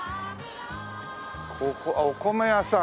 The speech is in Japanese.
ここあっお米屋さん。